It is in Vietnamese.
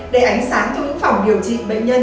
để ánh sáng cho những phòng điều trị bệnh nhân